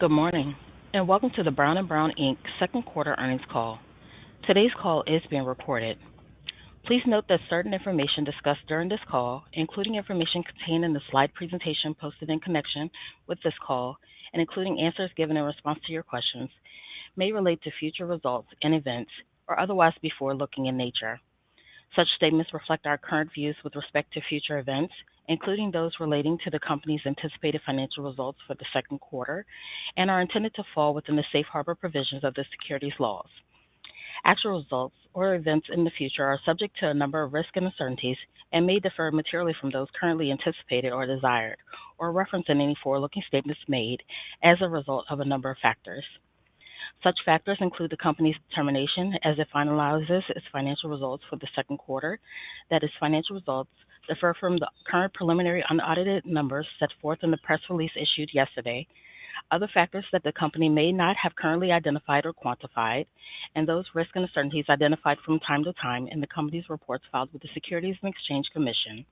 Good morning, and welcome to the Brown & Brown, Inc. second quarter earnings call. Today's call is being recorded. Please note that certain information discussed during this call, including information contained in the slide presentation posted in connection with this call, and including answers given in response to your questions, may relate to future results and events or otherwise forward-looking in nature. Such statements reflect our current views with respect to future events, including those relating to the company's anticipated financial results for the second quarter, and are intended to fall within the safe harbor provisions of the securities laws. Actual results or events in the future are subject to a number of risks and uncertainties and may differ materially from those currently anticipated or desired or referenced in any forward-looking statements made as a result of a number of factors. Such factors include the company's determination as it finalizes its financial results for the second quarter, that its financial results differ from the current preliminary unaudited numbers set forth in the press release issued yesterday. Other factors that the company may not have currently identified or quantified, and those risks and uncertainties identified from time to time in the company's reports filed with the Securities and Exchange Commission.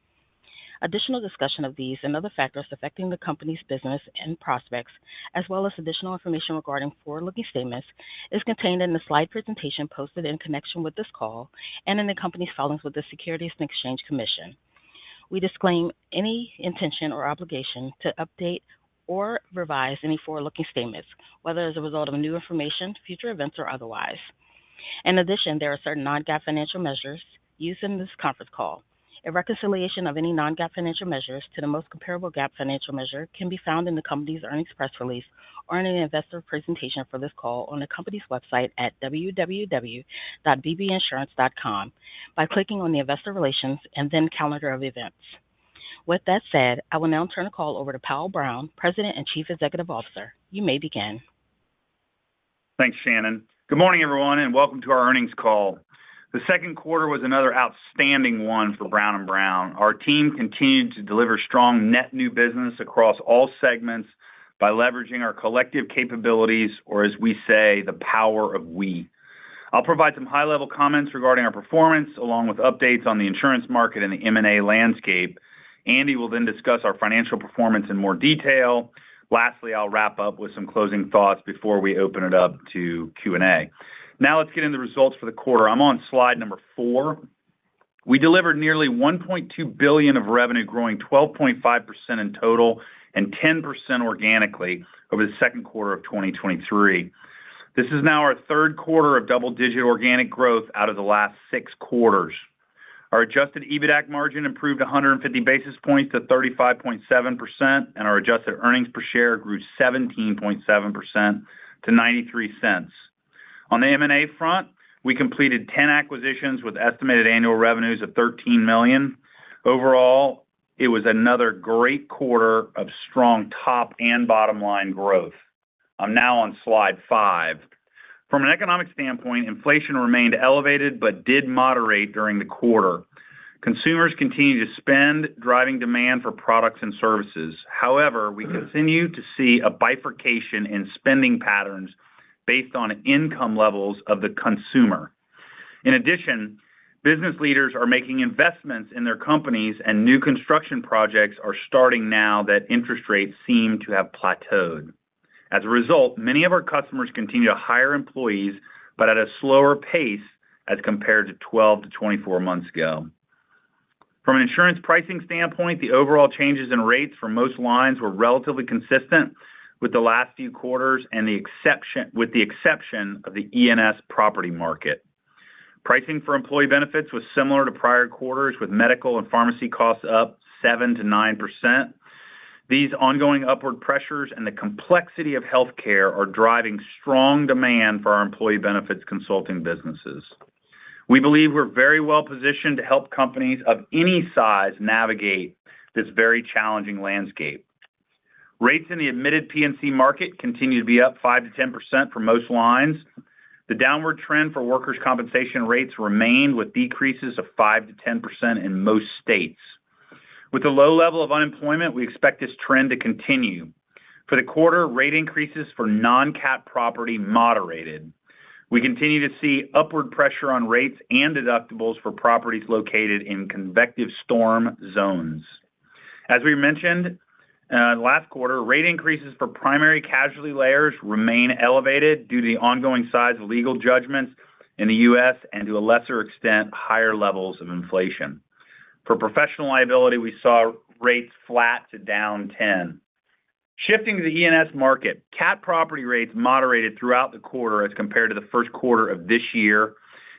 Additional discussion of these and other factors affecting the company's business and prospects, as well as additional information regarding forward-looking statements, is contained in the slide presentation posted in connection with this call and in the company's filings with the Securities and Exchange Commission. We disclaim any intention or obligation to update or revise any forward-looking statements, whether as a result of new information, future events, or otherwise. In addition, there are certain non-GAAP financial measures used in this conference call. A reconciliation of any non-GAAP financial measures to the most comparable GAAP financial measure can be found in the company's earnings press release or in an investor presentation for this call on the company's website at www.bbinsurance.com, by clicking on the Investor Relations and then Calendar of Events. With that said, I will now turn the call over to Powell Brown, President and Chief Executive Officer. You may begin. Thanks, Shannon. Good morning, everyone, and welcome to our earnings call. The second quarter was another outstanding one for Brown & Brown. Our team continued to deliver strong net new business across all segments by leveraging our collective capabilities, or as we say, the power of we. I'll provide some high-level comments regarding our performance, along with updates on the insurance market and the M&A landscape. Andy will then discuss our financial performance in more detail. Lastly, I'll wrap up with some closing thoughts before we open it up to Q&A. Now let's get into the results for the quarter. I'm on slide number 4. We delivered nearly $1.2 billion of revenue, growing 12.5% in total and 10% organically over the second quarter of 2023. This is now our third quarter of double-digit organic growth out of the last six quarters. Our adjusted EBITDAC margin improved 150 basis points to 35.7%, and our adjusted earnings per share grew 17.7% to $0.93. On the M&A front, we completed 10 acquisitions with estimated annual revenues of $13 million. Overall, it was another great quarter of strong top and bottom line growth. I'm now on slide 5. From an economic standpoint, inflation remained elevated but did moderate during the quarter. Consumers continued to spend, driving demand for products and services. However, we continue to see a bifurcation in spending patterns based on income levels of the consumer. In addition, business leaders are making investments in their companies, and new construction projects are starting now that interest rates seem to have plateaued. As a result, many of our customers continue to hire employees, but at a slower pace as compared to 12-24 months ago. From an insurance pricing standpoint, the overall changes in rates for most lines were relatively consistent with the last few quarters with the exception of the E&S property market. Pricing for employee benefits was similar to prior quarters, with medical and pharmacy costs up 7%-9%. These ongoing upward pressures and the complexity of healthcare are driving strong demand for our employee benefits consulting businesses. We believe we're very well positioned to help companies of any size navigate this very challenging landscape. Rates in the admitted P&C market continue to be up 5%-10% for most lines. The downward trend for workers' compensation rates remained, with decreases of 5%-10% in most states. With the low level of unemployment, we expect this trend to continue. For the quarter, rate increases for non-cat property moderated. We continue to see upward pressure on rates and deductibles for properties located in convective storm zones. As we mentioned, last quarter, rate increases for primary casualty layers remain elevated due to the ongoing size of legal judgments in the U.S. and, to a lesser extent, higher levels of inflation. For professional liability, we saw rates flat to down 10%. Shifting to the E&S market, cat property rates moderated throughout the quarter as compared to the first quarter of this year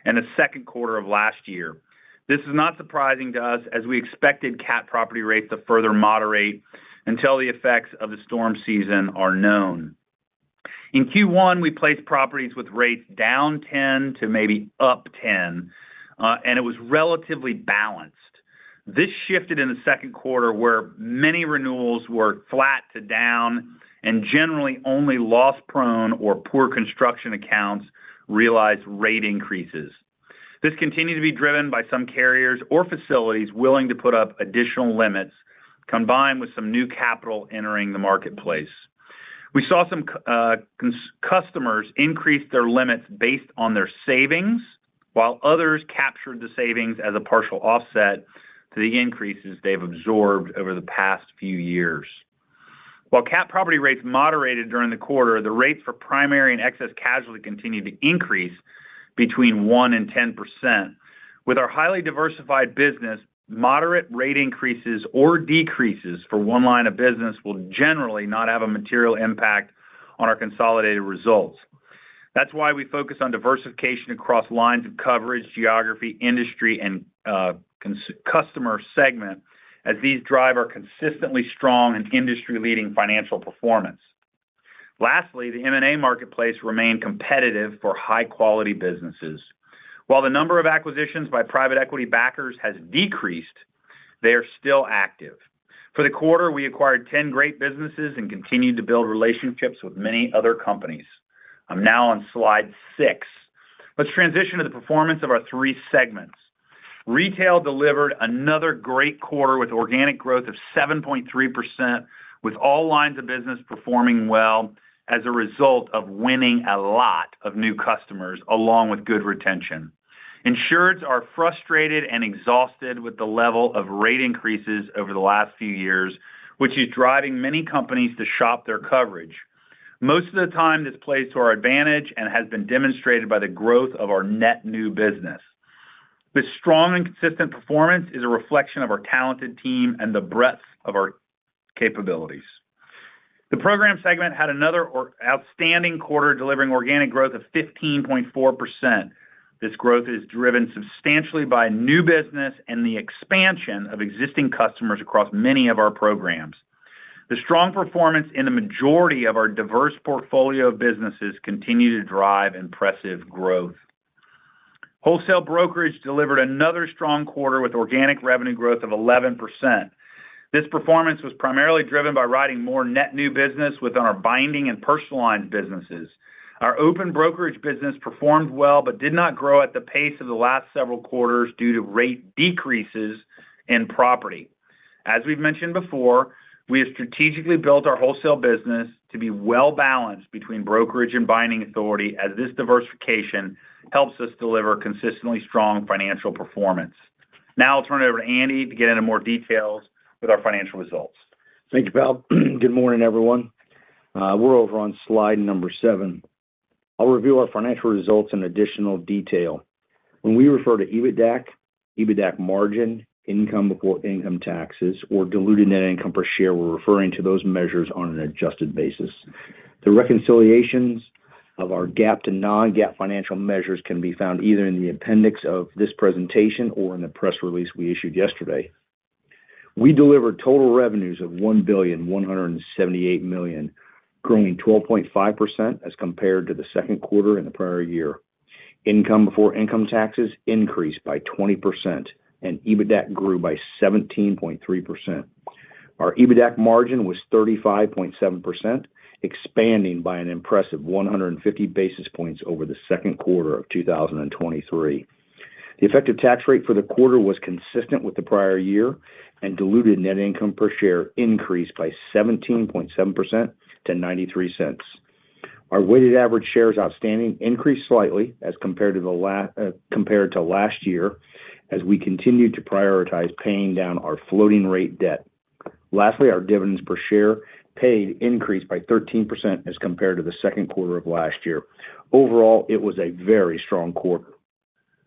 and the second quarter of last year. This is not surprising to us as we expected cat property rates to further moderate until the effects of the storm season are known. In Q1, we placed properties with rates down 10 to maybe up 10, and it was relatively balanced. This shifted in the second quarter, where many renewals were flat to down, and generally only loss-prone or poor construction accounts realized rate increases. This continued to be driven by some carriers or facilities willing to put up additional limits, combined with some new capital entering the marketplace. We saw some customers increase their limits based on their savings while others captured the savings as a partial offset to the increases they've absorbed over the past few years. While cat property rates moderated during the quarter, the rates for primary and excess casualty continued to increase between 1% and 10%. With our highly diversified business, moderate rate increases or decreases for one line of business will generally not have a material impact on our consolidated results. That's why we focus on diversification across lines of coverage, geography, industry, and customer segment, as these drive our consistently strong and industry-leading financial performance. Lastly, the M&A marketplace remained competitive for high-quality businesses. While the number of acquisitions by private equity backers has decreased, they are still active. For the quarter, we acquired 10 great businesses and continued to build relationships with many other companies. I'm now on slide 6. Let's transition to the performance of our three segments. Retail delivered another great quarter with organic growth of 7.3%, with all lines of business performing well as a result of winning a lot of new customers, along with good retention. Insureds are frustrated and exhausted with the level of rate increases over the last few years, which is driving many companies to shop their coverage. Most of the time, this plays to our advantage and has been demonstrated by the growth of our net new business. This strong and consistent performance is a reflection of our talented team and the breadth of our capabilities. The Programs segment had another outstanding quarter, delivering organic growth of 15.4%. This growth is driven substantially by new business and the expansion of existing customers across many of our programs. The strong performance in the majority of our diverse portfolio of businesses continue to drive impressive growth. Wholesale Brokerage delivered another strong quarter with organic revenue growth of 11%. This performance was primarily driven by writing more net new business within our binding and personal line businesses. Our Open brokerage business performed well, but did not grow at the pace of the last several quarters due to rate decreases in property. As we've mentioned before, we have strategically built our wholesale business to be well-balanced between brokerage and binding authority, as this diversification helps us deliver consistently strong financial performance. Now I'll turn it over to Andy to get into more details with our financial results. Thank you, Powell. Good morning, everyone. We're over on slide number 7. I'll review our financial results in additional detail. When we refer to EBITDAC, EBITDAC margin, income before income taxes, or diluted net income per share, we're referring to those measures on an adjusted basis. The reconciliations of our GAAP to non-GAAP financial measures can be found either in the appendix of this presentation or in the press release we issued yesterday. We delivered total revenues of $1.178 billion, growing 12.5% as compared to the second quarter in the prior year. Income before income taxes increased by 20%, and EBITDAC grew by 17.3%. Our EBITDAC margin was 35.7%, expanding by an impressive 150 basis points over the second quarter of 2023. The effective tax rate for the quarter was consistent with the prior year, and diluted net income per share increased by 17.7% to $0.93. Our weighted average shares outstanding increased slightly as compared to last year, as we continued to prioritize paying down our floating rate debt. Lastly, our dividends per share paid increased by 13% as compared to the second quarter of last year. Overall, it was a very strong quarter.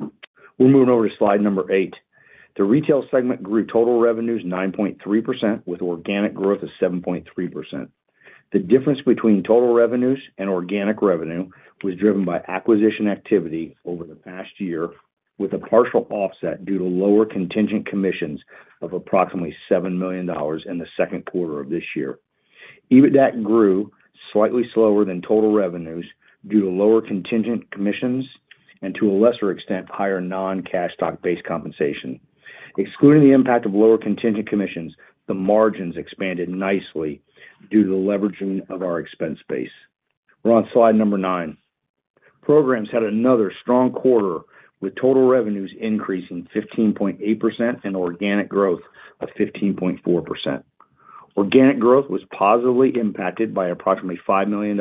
We're moving over to slide number 8. The retail segment grew total revenues 9.3%, with organic growth of 7.3%. The difference between total revenues and organic revenue was driven by acquisition activity over the past year, with a partial offset due to lower contingent commissions of approximately $7 million in the second quarter of this year. EBITDAC grew slightly slower than total revenues due to lower contingent commissions and, to a lesser extent, higher non-cash stock-based compensation. Excluding the impact of lower contingent commissions, the margins expanded nicely due to the leveraging of our expense base. We're on slide number nine. Programs had another strong quarter, with total revenues increasing 15.8% and organic growth of 15.4%. Organic growth was positively impacted by approximately $5 million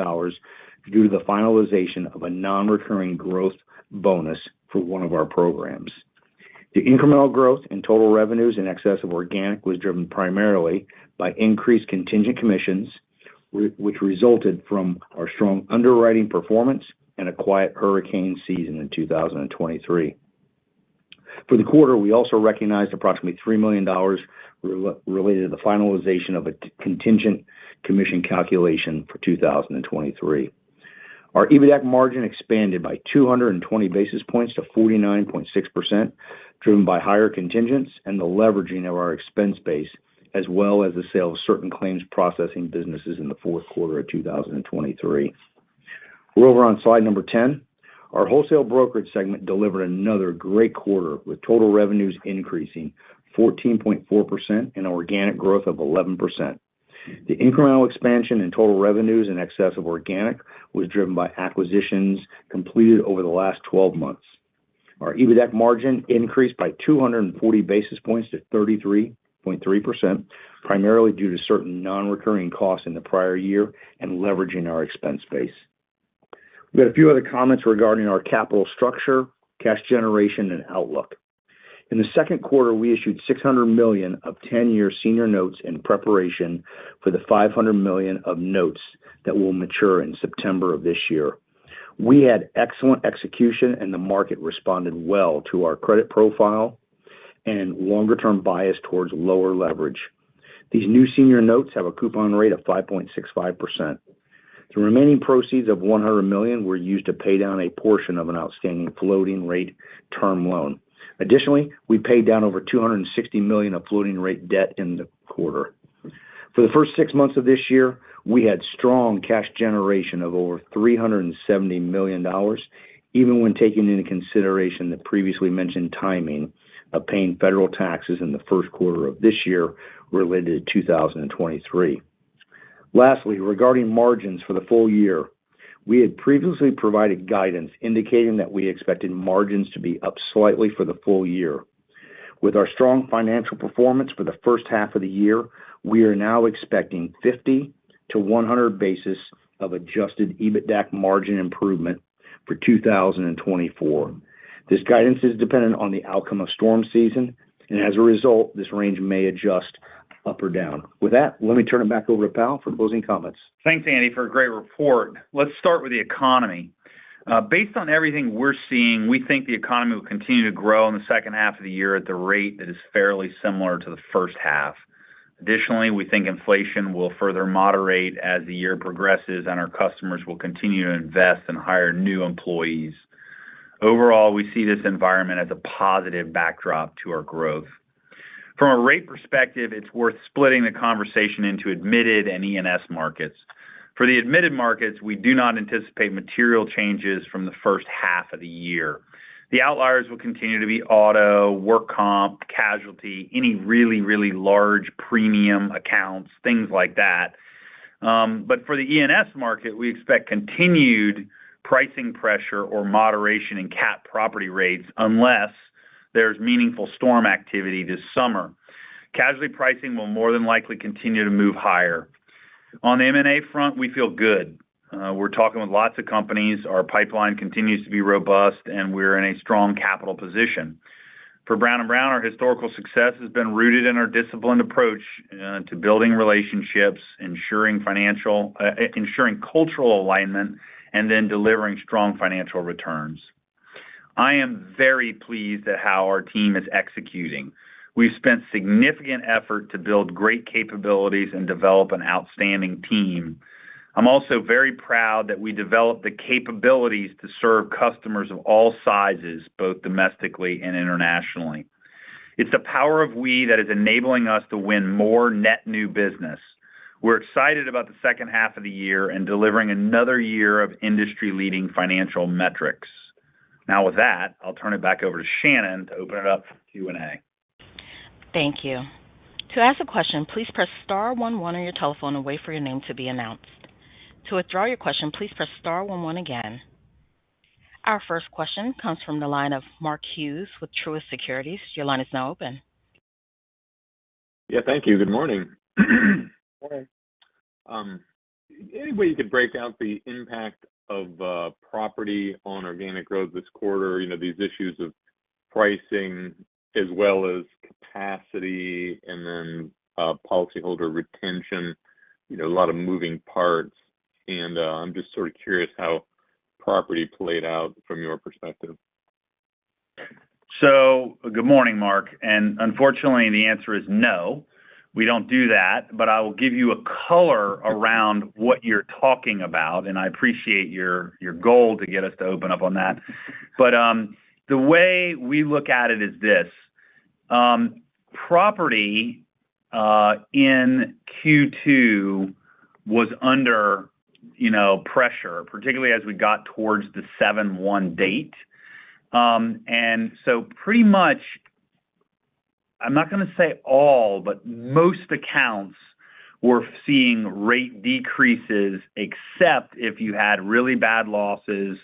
due to the finalization of a non-recurring growth bonus for one of our programs. The incremental growth in total revenues in excess of organic was driven primarily by increased contingent commissions, which resulted from our strong underwriting performance and a quiet hurricane season in 2023. For the quarter, we also recognized approximately $3 million related to the finalization of a contingent commission calculation for 2023. Our EBITDAC margin expanded by 220 basis points to 49.6%, driven by higher contingents and the leveraging of our expense base, as well as the sale of certain claims processing businesses in the fourth quarter of 2023. We're over on slide 10. Our Wholesale Brokerage segment delivered another great quarter, with total revenues increasing 14.4% and organic growth of 11%. The incremental expansion in total revenues in excess of organic was driven by acquisitions completed over the last 12 months. Our EBITDAC margin increased by 240 basis points to 33.3%, primarily due to certain non-recurring costs in the prior year and leveraging our expense base.... We have a few other comments regarding our capital structure, cash generation, and outlook. In the second quarter, we issued $600 million of 10-year senior notes in preparation for the $500 million of notes that will mature in September of this year. We had excellent execution, and the market responded well to our credit profile and longer-term bias towards lower leverage. These new senior notes have a coupon rate of 5.65%. The remaining proceeds of $100 million were used to pay down a portion of an outstanding floating rate term loan. Additionally, we paid down over $260 million of floating rate debt in the quarter. For the first six months of this year, we had strong cash generation of over $370 million, even when taking into consideration the previously mentioned timing of paying federal taxes in the first quarter of this year related to 2023. Lastly, regarding margins for the full year, we had previously provided guidance indicating that we expected margins to be up slightly for the full year. With our strong financial performance for the first half of the year, we are now expecting 50-100 basis points of adjusted EBITDA margin improvement for 2024. This guidance is dependent on the outcome of storm season, and as a result, this range may adjust up or down. With that, let me turn it back over to Powell for closing comments. Thanks, Andy, for a great report. Let's start with the economy. Based on everything we're seeing, we think the economy will continue to grow in the second half of the year at the rate that is fairly similar to the first half. Additionally, we think inflation will further moderate as the year progresses, and our customers will continue to invest and hire new employees. Overall, we see this environment as a positive backdrop to our growth. From a rate perspective, it's worth splitting the conversation into admitted and E&S markets. For the admitted markets, we do not anticipate material changes from the first half of the year. The outliers will continue to be auto, work comp, casualty, any really, really large premium accounts, things like that. But for the E&S market, we expect continued pricing pressure or moderation in cat property rates, unless there's meaningful storm activity this summer. Casualty pricing will more than likely continue to move higher. On the M&A front, we feel good. We're talking with lots of companies, our pipeline continues to be robust, and we're in a strong capital position. For Brown & Brown, our historical success has been rooted in our disciplined approach to building relationships, ensuring financial, ensuring cultural alignment, and then delivering strong financial returns. I am very pleased at how our team is executing. We've spent significant effort to build great capabilities and develop an outstanding team. I'm also very proud that we developed the capabilities to serve customers of all sizes, both domestically and internationally. It's the power of we that is enabling us to win more net new business. We're excited about the second half of the year and delivering another year of industry-leading financial metrics. Now, with that, I'll turn it back over to Shannon to open it up for Q&A. Thank you. To ask a question, please press star one one on your telephone and wait for your name to be announced. To withdraw your question, please press star one one again. Our first question comes from the line of Mark Hughes with Truist Securities. Your line is now open. Yeah, thank you. Good morning. Morning. Any way you could break out the impact of property on organic growth this quarter, you know, these issues of pricing as well as capacity and then policyholder retention, you know, a lot of moving parts, and I'm just sort of curious how property played out from your perspective. So good morning, Mark, and unfortunately, the answer is no, we don't do that. But I will give you a color around what you're talking about, and I appreciate your goal to get us to open up on that. But, the way we look at it is this, property, in Q2 was under, you know, pressure, particularly as we got towards the 7/1 date. And so pretty much, I'm not gonna say all, but most accounts were seeing rate decreases, except if you had really bad losses,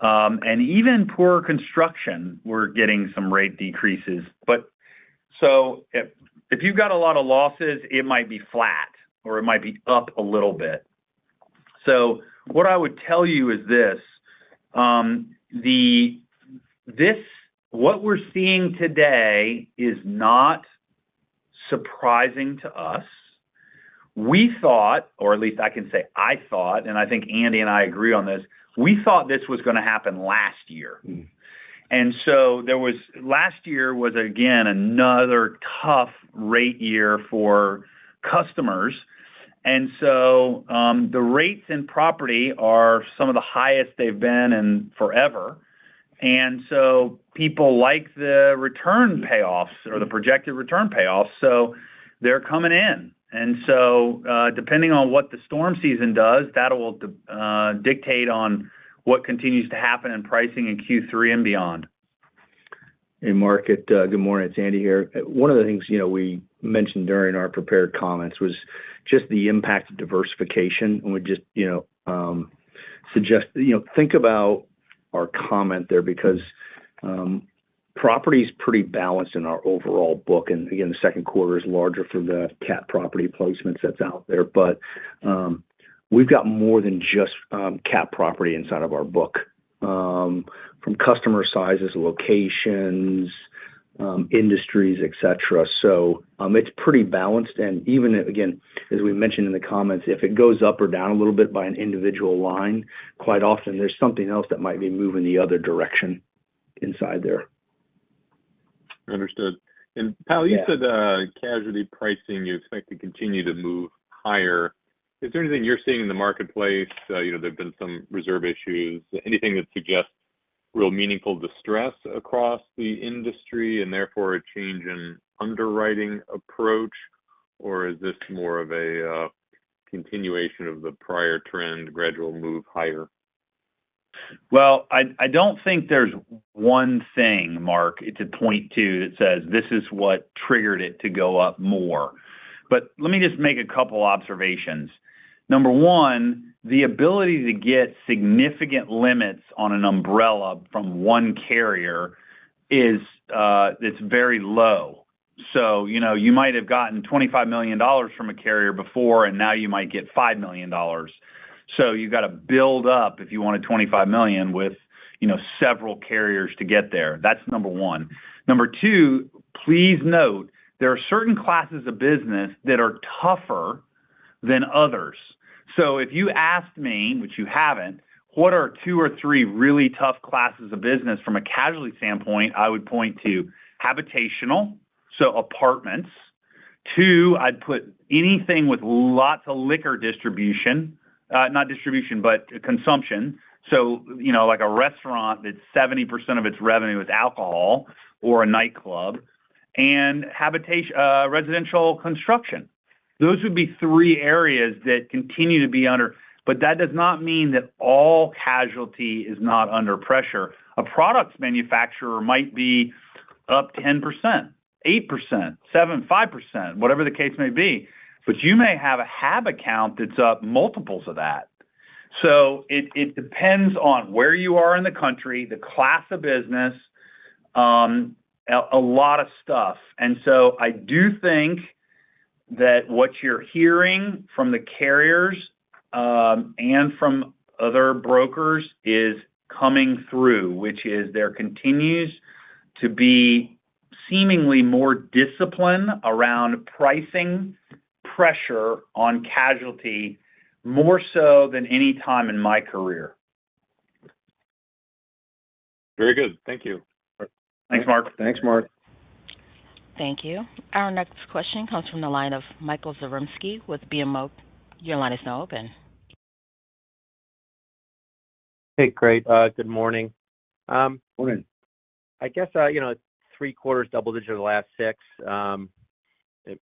and even poor construction were getting some rate decreases. But so if you've got a lot of losses, it might be flat, or it might be up a little bit. So what I would tell you is this, this, what we're seeing today is not surprising to us. We thought, or at least I can say, I thought, and I think Andy and I agree on this, we thought this was gonna happen last year. Mm-hmm. Last year was, again, another tough rate year for customers, and so, the rates in property are some of the highest they've been in forever, and so people like the return payoffs or the projected return payoffs, so they're coming in. And so, depending on what the storm season does, that will dictate on what continues to happen in pricing in Q3 and beyond. Hey, Mark, good morning. It's Andy here. One of the things, you know, we mentioned during our prepared comments was just the impact of diversification, and we just, you know, suggest-- You know, think about our comment there because-- Property is pretty balanced in our overall book, and again, the second quarter is larger for the cat property placements that's out there. But, we've got more than just, cat property inside of our book, from customer sizes, locations, industries, et cetera. So, it's pretty balanced, and even if, again, as we mentioned in the comments, if it goes up or down a little bit by an individual line, quite often there's something else that might be moving the other direction inside there. Understood. And, Powell, you said, casualty pricing, you expect to continue to move higher. Is there anything you're seeing in the marketplace, you know, there have been some reserve issues, anything that suggests real meaningful distress across the industry, and therefore a change in underwriting approach? Or is this more of a continuation of the prior trend, gradual move higher? Well, I don't think there's one thing, Mark, to point to that says this is what triggered it to go up more. But let me just make a couple observations. Number one, the ability to get significant limits on an umbrella from one carrier is, it's very low. So, you know, you might have gotten $25 million from a carrier before, and now you might get $5 million. So you've got to build up if you want a $25 million with, you know, several carriers to get there. That's number one. Number two, please note, there are certain classes of business that are tougher than others. So if you asked me, which you haven't, what are two or three really tough classes of business from a casualty standpoint, I would point to habitational, so apartments. Two, I'd put anything with lots of liquor distribution, not distribution, but consumption. So you know, like a restaurant, that 70% of its revenue is alcohol or a nightclub and habitational, residential construction. Those would be three areas that continue to be under, but that does not mean that all casualty is not under pressure. A products manufacturer might be up 10%, 8%, 7%, 5%, whatever the case may be, but you may have a hab account that's up multiples of that. So it, it depends on where you are in the country, the class of business, a, a lot of stuff. I do think that what you're hearing from the carriers, and from other brokers is coming through, which is there continues to be seemingly more discipline around pricing, pressure on casualty, more so than any time in my career. Very good. Thank you. Thanks, Mark. Thanks, Mark. Thank you. Our next question comes from the line of Michael Zaremski with BMO. Your line is now open. Hey, great. Good morning. Morning. I guess, you know, 3 quarters, double-digit, the last 6,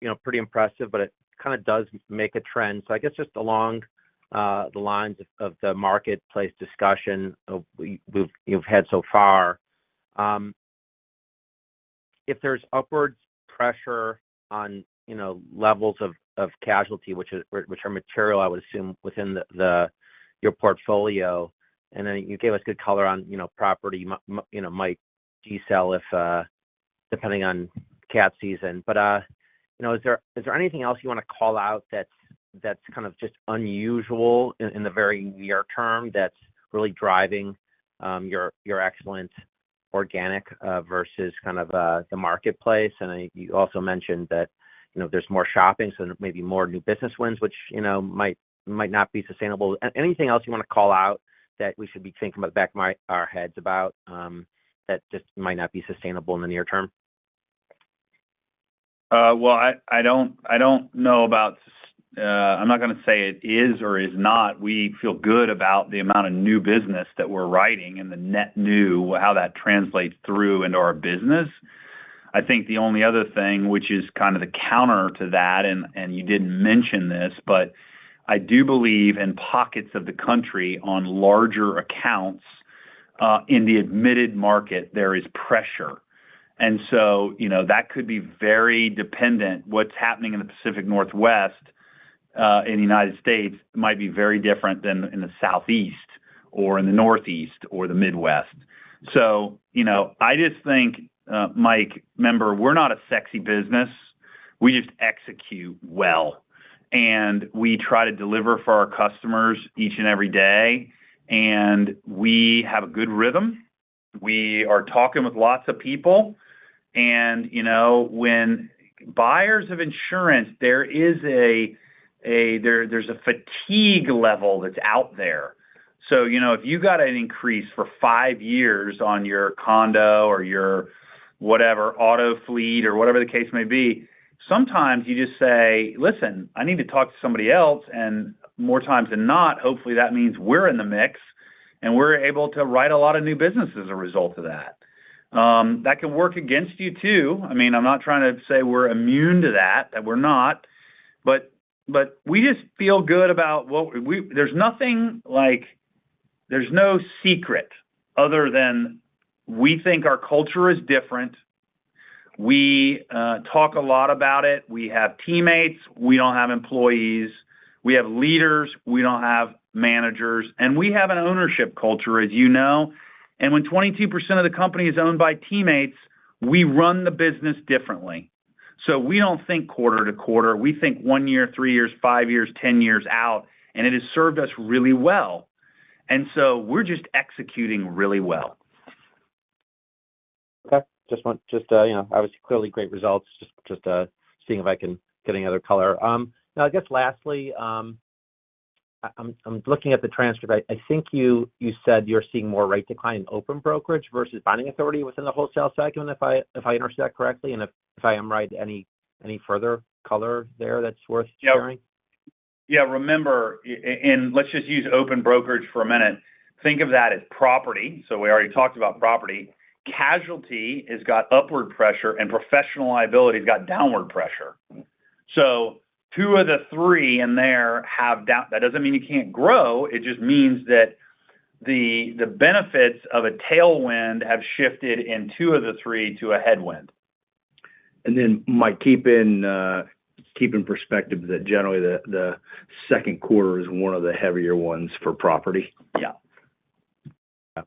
you know, pretty impressive, but it kind of does make a trend. So I guess just along the lines of the marketplace discussion you've had so far, if there's upwards pressure on, you know, levels of casualty, which are material, I would assume, within your portfolio, and then you gave us good color on, you know, property, you know, might desell if, depending on cat season. But, you know, is there anything else you want to call out that's kind of just unusual in the very near term, that's really driving your excellent organic versus kind of the marketplace? And then you also mentioned that, you know, there's more shopping, so there may be more new business wins, which, you know, might not be sustainable. Anything else you want to call out that we should be thinking about the back of our heads about, that just might not be sustainable in the near term? Well, I don't know about... I'm not gonna say it is or is not. We feel good about the amount of new business that we're writing and the net new, how that translates through into our business. I think the only other thing, which is kind of the counter to that, and you didn't mention this, but I do believe in pockets of the country on larger accounts, in the admitted market, there is pressure. And so, you know, that could be very dependent. What's happening in the Pacific Northwest, in the United States, might be very different than in the Southeast or in the Northeast or the Midwest. So you know, I just think, Mike, remember, we're not a sexy business. We just execute well, and we try to deliver for our customers each and every day, and we have a good rhythm. We are talking with lots of people, and, you know, when buyers of insurance, there is a fatigue level that's out there. So, you know, if you got an increase for five years on your condo or your whatever, auto fleet or whatever the case may be, sometimes you just say: Listen, I need to talk to somebody else, and more times than not, hopefully that means we're in the mix, and we're able to write a lot of new business as a result of that. That can work against you, too. I mean, I'm not trying to say we're immune to that, and we're not, but we just feel good about what there's nothing like... There's no secret other than, we think our culture is different.... We talk a lot about it. We have teammates, we don't have employees, we have leaders, we don't have managers, and we have an ownership culture, as you know. And when 22% of the company is owned by teammates, we run the business differently. So we don't think quarter to quarter, we think one year, three years, five years, 10 years out, and it has served us really well. And so we're just executing really well. Okay. Just want, you know, obviously, clearly great results. Just seeing if I can get any other color. Now, I guess, lastly, I'm looking at the transcript. I think you said you're seeing more rate decline in open brokerage versus binding authority within the wholesale segment, if I understand that correctly, and if I am right, any further color there that's worth sharing? Yeah. Yeah, remember, and let's just use open brokerage for a minute. Think of that as property, so we already talked about property. Casualty has got upward pressure, and professional liability has got downward pressure. So two of the three in there have downward. That doesn't mean you can't grow, it just means that the, the benefits of a tailwind have shifted in two of the three to a headwind. Then, Mike, keep in perspective that generally, the second quarter is one of the heavier ones for property. Yeah.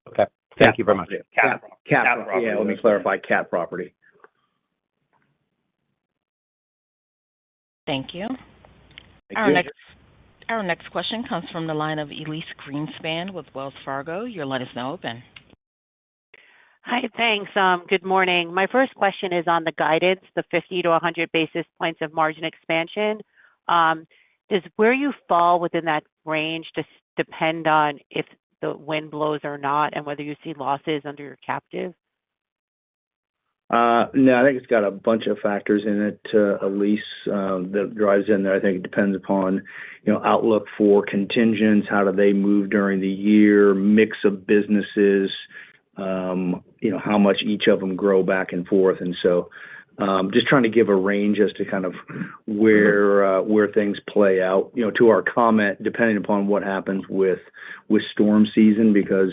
Okay. Thank you very much. Cat property. Yeah, let me clarify, Cat property. Thank you. Thank you. Our next question comes from the line of Elyse Greenspan with Wells Fargo. Your line is now open. Hi, thanks. Good morning. My first question is on the guidance, the 50-100 basis points of margin expansion. Does where you fall within that range just depend on if the wind blows or not, and whether you see losses under your captive? No, I think it's got a bunch of factors in it, Elyse, that drives in there. I think it depends upon, you know, outlook for contingents, how do they move during the year, mix of businesses, you know, how much each of them grow back and forth. And so, just trying to give a range as to kind of where things play out, you know, to our comment, depending upon what happens with storm season, because,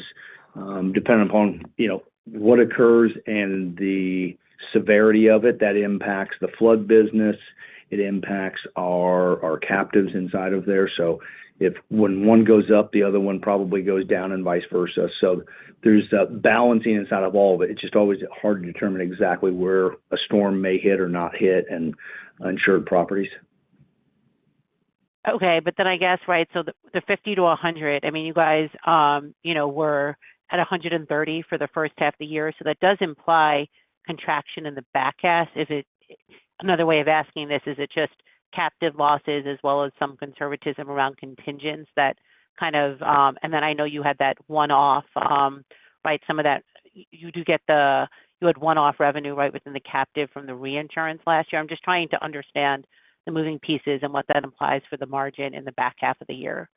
depending upon, you know, what occurs and the severity of it, that impacts the flood business, it impacts our captives inside of there. So if when one goes up, the other one probably goes down and vice versa. So there's a balancing inside of all of it. It's just always hard to determine exactly where a storm may hit or not hit in insured properties. Okay. But then I guess, right, so the 50-100, I mean, you guys, you know, were at 130 for the first half of the year, so that does imply contraction in the back half. Is it? Another way of asking this, is it just captive losses as well as some conservatism around contingents that kind of... And then I know you had that one-off, right? Some of that. You had one-off revenue, right, within the captive from the reinsurance last year. I'm just trying to understand the moving pieces and what that implies for the margin in the back half of the year.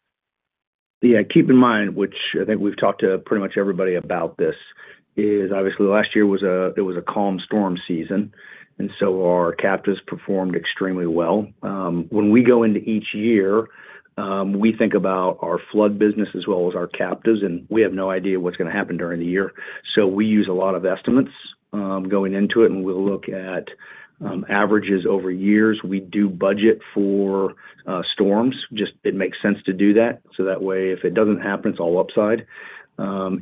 Yeah, keep in mind, which I think we've talked to pretty much everybody about this, is obviously last year was a calm storm season, and so our captives performed extremely well. When we go into each year, we think about our flood business as well as our captives, and we have no idea what's going to happen during the year. So we use a lot of estimates, going into it, and we'll look at averages over years. We do budget for storms. Just, it makes sense to do that, so that way, if it doesn't happen, it's all upside,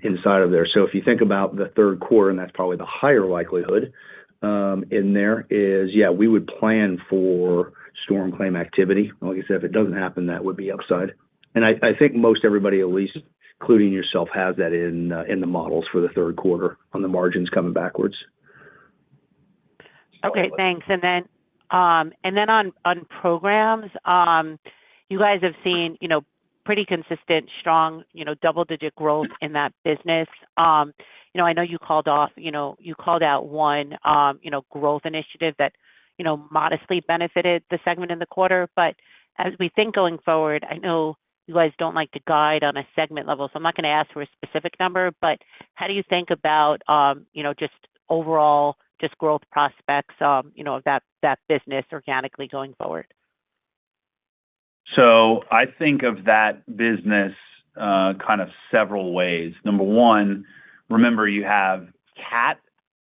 inside of there. So if you think about the third quarter, and that's probably the higher likelihood, in there is, yeah, we would plan for storm claim activity. Like I said, if it doesn't happen, that would be upside. I think most everybody, Elyse, including yourself, has that in the models for the third quarter on the margins coming backwards. Okay, thanks. And then on programs, you guys have seen, you know, pretty consistent, strong, you know, double-digit growth in that business. You know, I know you called out one growth initiative that, you know, modestly benefited the segment in the quarter. But as we think going forward, I know you guys don't like to guide on a segment level, so I'm not going to ask for a specific number. But how do you think about, you know, just overall growth prospects of that business organically going forward? So I think of that business, kind of several ways. Number one, remember, you have cat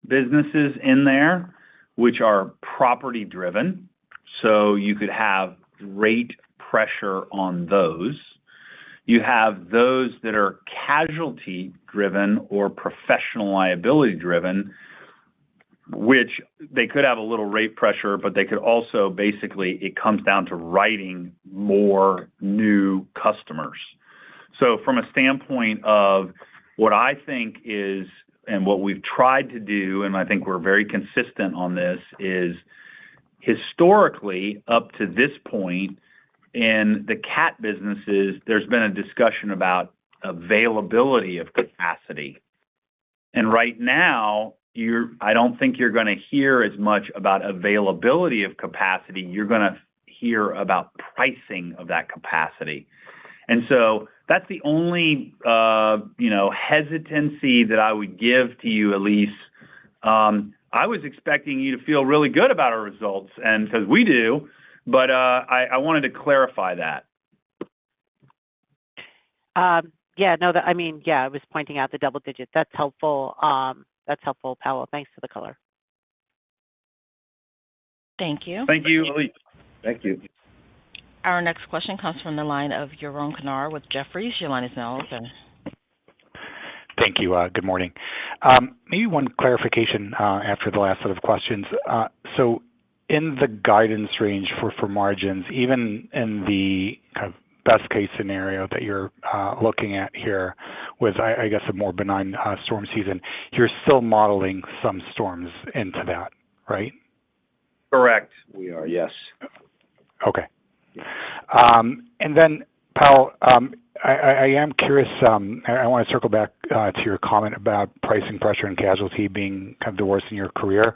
businesses in there, which are property driven, so you could have rate pressure on those. You have those that are casualty driven or professional liability driven, which they could have a little rate pressure, but they could also basically, it comes down to writing more new customers. So from a standpoint of what I think is, and what we've tried to do, and I think we're very consistent on this, is historically, up to this point in the cat businesses, there's been a discussion about availability of capacity. And right now, I don't think you're gonna hear as much about availability of capacity. You're gonna hear about pricing of that capacity. And so that's the only, you know, hesitancy that I would give to you, Elyse. I was expecting you to feel really good about our results, and 'cause we do, but I wanted to clarify that.... Yeah, no, I mean, yeah, I was pointing out the double digit. That's helpful. That's helpful, Powell. Thanks for the color. Thank you. Thank you, Elyse. Thank you. Our next question comes from the line of Yaron Kinar with Jefferies. Your line is now open. Thank you. Good morning. Maybe one clarification after the last set of questions. So in the guidance range for, for margins, even in the kind of best case scenario that you're looking at here, with I, I guess, a more benign storm season, you're still modeling some storms into that, right? Correct. We are, yes. Okay. And then, Powell, I am curious, and I wanna circle back to your comment about pricing pressure and casualty being kind of the worst in your career.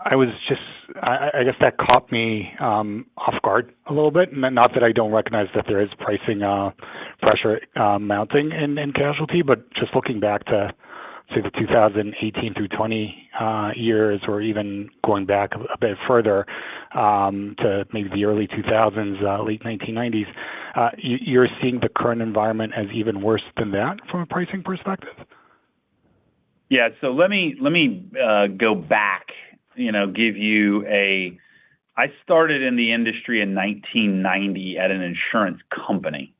I guess that caught me off guard a little bit. Not that I don't recognize that there is pricing pressure mounting in casualty, but just looking back to, say, the 2018 through 2020 years, or even going back a bit further, to maybe the early 2000s, late 1990s, you're seeing the current environment as even worse than that from a pricing perspective? Yeah, so let me go back, you know, give you a... I started in the industry in 1990 at an insurance company.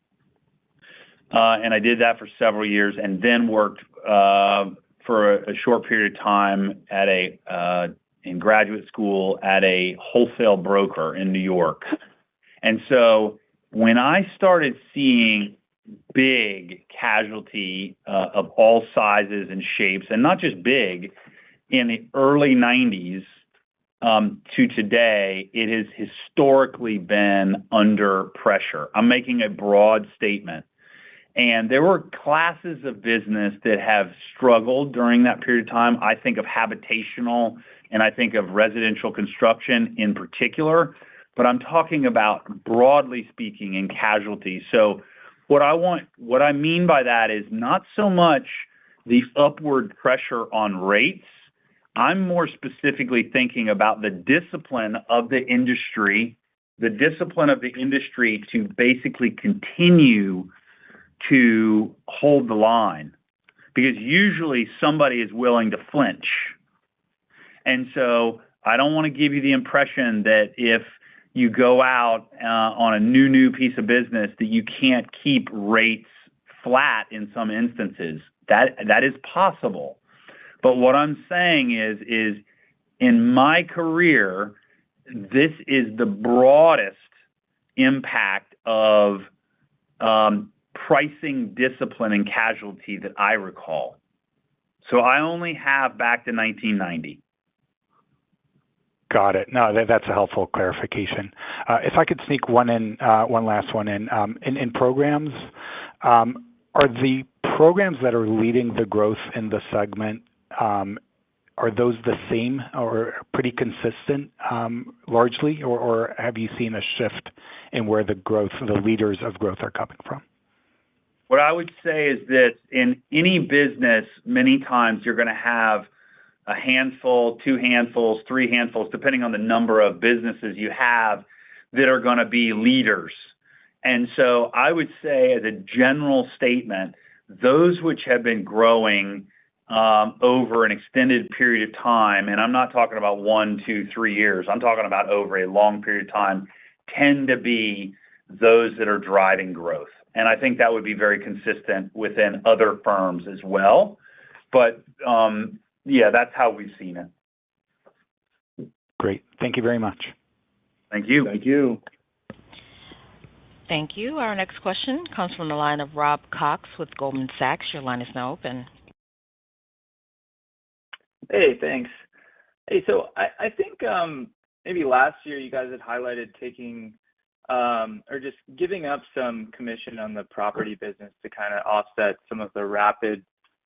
And I did that for several years, and then worked for a short period of time in graduate school at a wholesale broker in New York. And so when I started seeing big casualty of all sizes and shapes, and not just big, in the early 1990s to today, it has historically been under pressure. I'm making a broad statement. And there were classes of business that have struggled during that period of time. I think of habitational, and I think of residential construction in particular, but I'm talking about broadly speaking, in casualty. So what I want—what I mean by that is not so much the upward pressure on rates. I'm more specifically thinking about the discipline of the industry, the discipline of the industry to basically continue to hold the line, because usually somebody is willing to flinch. And so I don't wanna give you the impression that if you go out on a new piece of business, that you can't keep rates flat in some instances. That is possible. But what I'm saying is in my career, this is the broadest impact of pricing discipline and casualty that I recall. So I only have back to 1990. Got it. No, that, that's a helpful clarification. If I could sneak one in, one last one in. In programs, are the programs that are leading the growth in the segment, are those the same or pretty consistent, largely? Or have you seen a shift in where the growth, the leaders of growth are coming from? What I would say is that in any business, many times you're gonna have a handful, two handfuls, three handfuls, depending on the number of businesses you have, that are gonna be leaders. And so I would say, as a general statement, those which have been growing, over an extended period of time, and I'm not talking about one, two, three years, I'm talking about over a long period of time, tend to be those that are driving growth. And I think that would be very consistent within other firms as well. But, yeah, that's how we've seen it. Great. Thank you very much. Thank you. Thank you. Thank you. Our next question comes from the line of Rob Cox with Goldman Sachs. Your line is now open. Hey, thanks. Hey, so I think maybe last year you guys had highlighted taking or just giving up some commission on the property business to kinda offset some of the rapid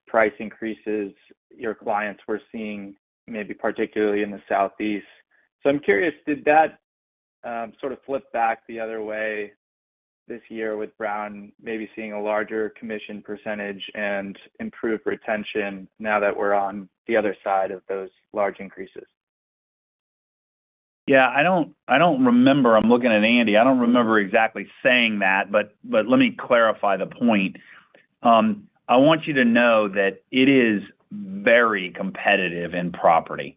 price increases your clients were seeing, maybe particularly in the Southeast. So I'm curious, did that sort of flip back the other way this year with Brown maybe seeing a larger commission percentage and improved retention now that we're on the other side of those large increases? Yeah, I don't remember. I'm looking at Andy. I don't remember exactly saying that, but let me clarify the point. I want you to know that it is very competitive in property,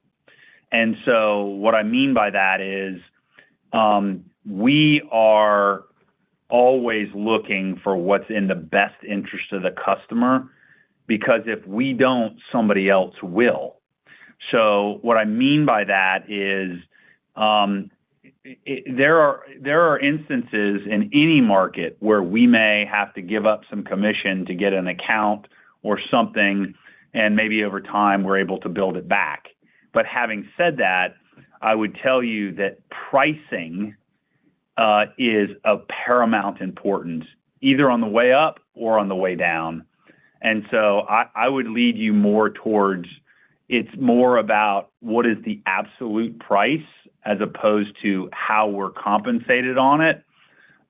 and so what I mean by that is, we are always looking for what's in the best interest of the customer, because if we don't, somebody else will. So what I mean by that is, it – there are instances in any market where we may have to give up some commission to get an account or something, and maybe over time, we're able to build it back. But having said that, I would tell you that pricing is of paramount importance, either on the way up or on the way down. And so I would lead you more towards, it's more about what is the absolute price as opposed to how we're compensated on it,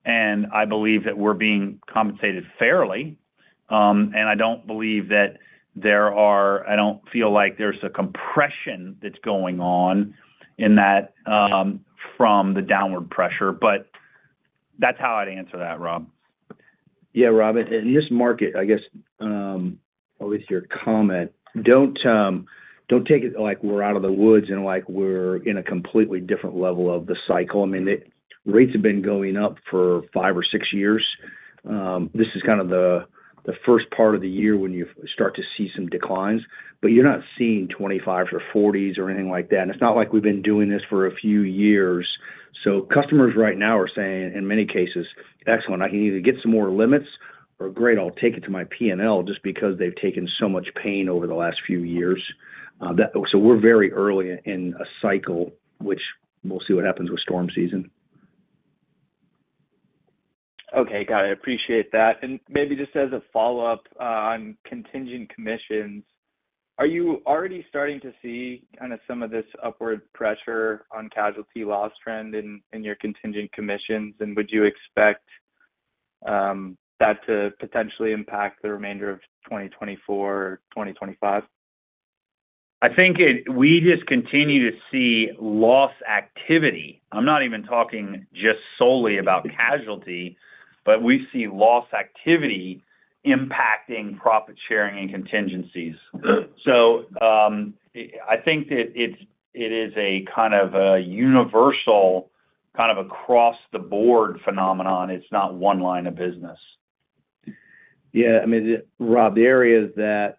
and I believe that we're being compensated fairly, and I don't feel like there's a compression that's going on in that, from the downward pressure, but that's how I'd answer that, Rob. Yeah, Rob, in this market, I guess, at least your comment, don't take it like we're out of the woods and like we're in a completely different level of the cycle. I mean, rates have been going up for five or six years. This is kind of the first part of the year when you start to see some declines, but you're not seeing 25s or 40s or anything like that. And it's not like we've been doing this for a few years. So customers right now are saying, in many cases, "Excellent, I can either get some more limits or great, I'll take it to my P&L," just because they've taken so much pain over the last few years. So we're very early in a cycle, which we'll see what happens with storm season. Okay, got it. I appreciate that. And maybe just as a follow-up, on contingent commissions, are you already starting to see kind of some of this upward pressure on casualty loss trend in, in your contingent commissions? And would you expect, that to potentially impact the remainder of 2024, 2025? I think it—we just continue to see loss activity. I'm not even talking just solely about casualty, but we see loss activity impacting profit sharing and contingencies. So, I think that it's, it is a kind of a universal, kind of across-the-board phenomenon. It's not one line of business. Yeah, I mean, Rob, the area that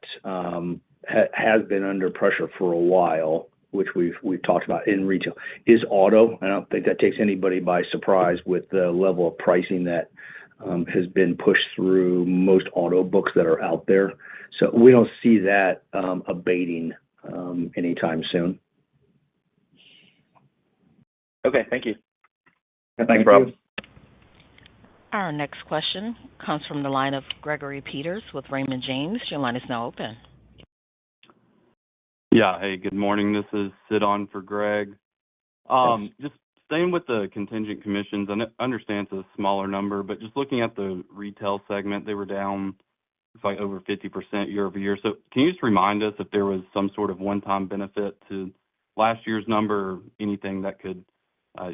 has been under pressure for a while, which we've talked about in retail, is auto. I don't think that takes anybody by surprise with the level of pricing that has been pushed through most auto books that are out there. So we don't see that abating anytime soon. Okay, thank you. Thanks, Rob. Thank you. Our next question comes from the line of Gregory Peters with Raymond James. Your line is now open. Yeah. Hey, good morning. This is Sid on for Greg. Just staying with the contingent commissions, I understand it's a smaller number, but just looking at the retail segment, they were down by over 50% year-over-year. So can you just remind us if there was some sort of one-time benefit to last year's number? Anything that could,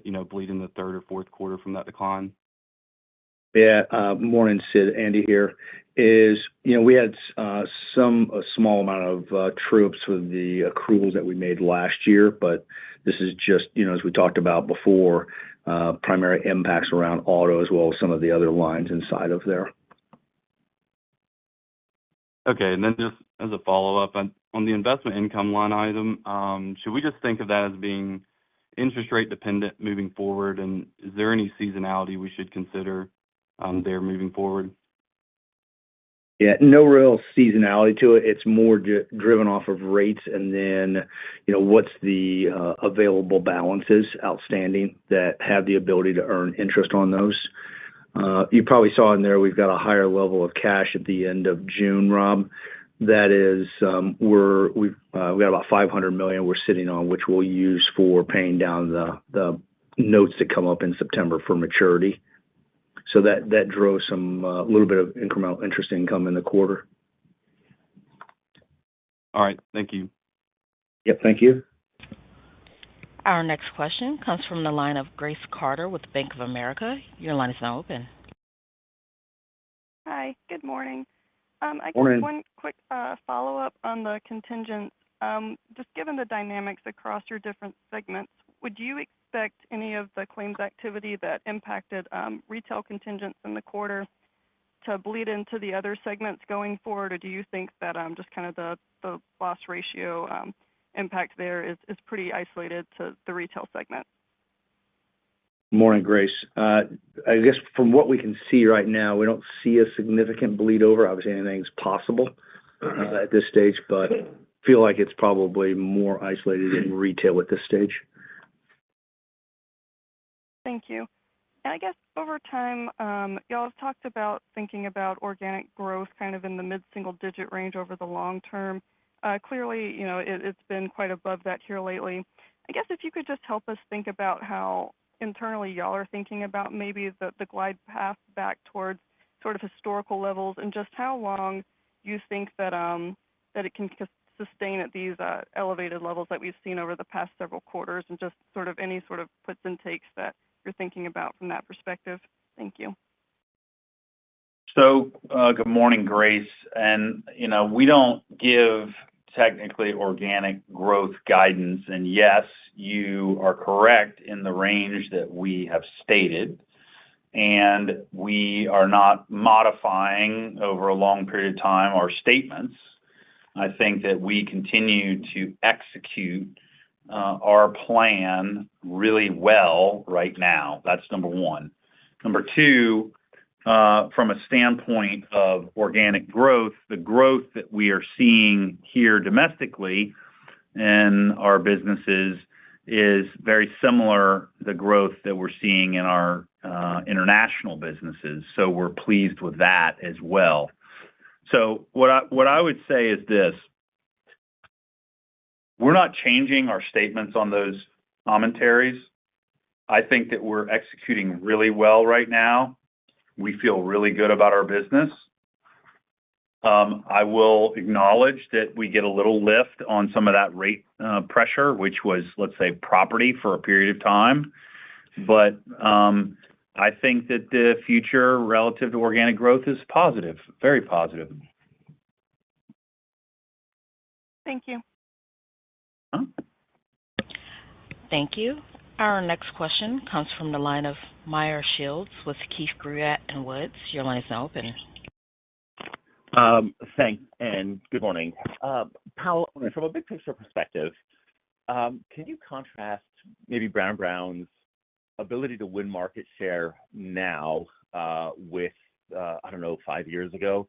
you know, bleed in the third or fourth quarter from that decline? Yeah, morning, Sid. Andy here. You know, we had some a small amount of true-ups with the accruals that we made last year, but this is just, you know, as we talked about before, primary impacts around auto as well as some of the other lines inside of there. Okay. And then just as a follow-up, on the investment income line item, should we just think of that as being interest rate dependent moving forward? And is there any seasonality we should consider there moving forward? Yeah, no real seasonality to it. It's more driven off of rates and then, you know, what's the available balances outstanding that have the ability to earn interest on those. You probably saw in there, we've got a higher level of cash at the end of June, Rob. That is, we're, we've, we got about $500 million we're sitting on, which we'll use for paying down the, the notes that come up in September for maturity. So that, that drove some little bit of incremental interest income in the quarter. All right. Thank you. Yep, thank you. Our next question comes from the line of Grace Carter with Bank of America. Your line is now open. Hi, good morning. Morning. I guess one quick follow-up on the contingent. Just given the dynamics across your different segments, would you expect any of the claims activity that impacted retail contingents in the quarter to bleed into the other segments going forward? Or do you think that just kind of the loss ratio impact there is pretty isolated to the retail segment? Morning, Grace. I guess from what we can see right now, we don't see a significant bleed over. Obviously, anything's possible at this stage, but feel like it's probably more isolated in retail at this stage. Thank you. I guess over time, y'all have talked about thinking about organic growth kind of in the mid-single digit range over the long term. Clearly, you know, it, it's been quite above that here lately. I guess if you could just help us think about how internally y'all are thinking about maybe the, the glide path back towards sort of historical levels, and just how long you think that, that it can sustain at these, elevated levels that we've seen over the past several quarters, and just sort of any sort of puts and takes that you're thinking about from that perspective. Thank you. So, good morning, Grace. And, you know, we don't give technically organic growth guidance. And yes, you are correct in the range that we have stated, and we are not modifying over a long period of time, our statements. I think that we continue to execute, our plan really well right now. That's number one. Number two, from a standpoint of organic growth, the growth that we are seeing here domestically in our businesses is very similar, the growth that we're seeing in our, international businesses, so we're pleased with that as well. So what I, what I would say is this: We're not changing our statements on those commentaries. I think that we're executing really well right now. We feel really good about our business. I will acknowledge that we get a little lift on some of that rate pressure, which was, let's say, property for a period of time. But, I think that the future relative to organic growth is positive, very positive. Thank you. Uh-huh. Thank you. Our next question comes from the line of Meyer Shields with Keefe, Bruyette & Woods. Your line is now open. Thanks, and good morning. Paul, from a big picture perspective, can you contrast maybe Brown & Brown's ability to win market share now, with, I don't know, five years ago?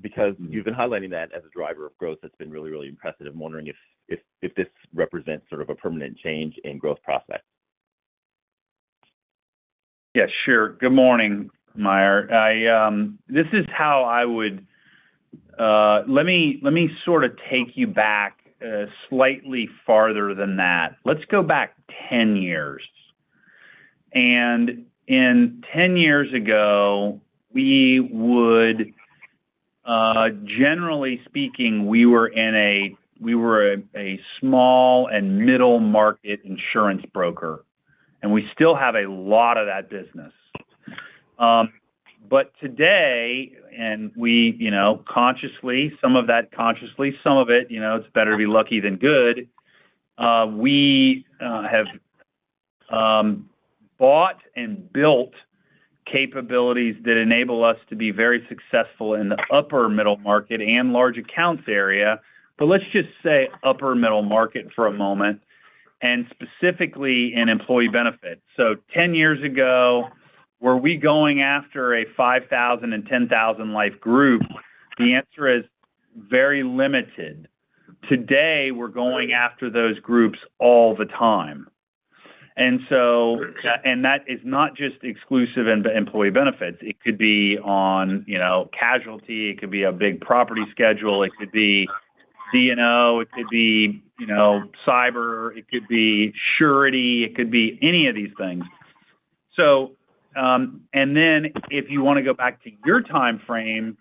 Because you've been highlighting that as a driver of growth, that's been really, really impressive. I'm wondering if this represents sort of a permanent change in growth prospects. Yeah, sure. Good morning, Meyer. Let me sort of take you back slightly farther than that. Let's go back 10 years. And in 10 years ago, we would, generally speaking, we were a small and middle market insurance broker, and we still have a lot of that business. But today, and we, you know, consciously, some of that, consciously, some of it, you know, it's better to be lucky than good. We have bought and built capabilities that enable us to be very successful in the upper middle market and large accounts area. But let's just say upper middle market for a moment, and specifically in employee benefits. So 10 years ago, were we going after a 5,000 and 10,000 life group? The answer is very limited. Today, we're going after those groups all the time. And so, and that is not just exclusive in the employee benefits. It could be on, you know, casualty, it could be a big property schedule, it could be CNO, it could be, you know, cyber, it could be surety, it could be any of these things. So, and then, if you wanna go back to your timeframe,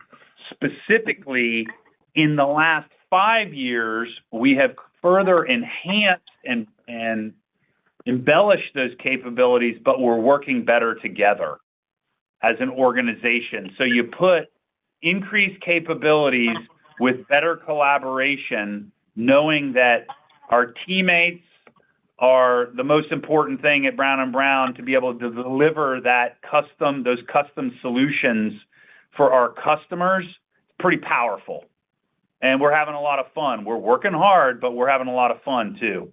specifically, in the last five years, we have further enhanced and, and embellished those capabilities, but we're working better together as an organization. So you put increased capabilities with better collaboration, knowing that our teammates are the most important thing at Brown & Brown, to be able to deliver that custom, those custom solutions for our customers, pretty powerful. And we're having a lot of fun. We're working hard, but we're having a lot of fun, too.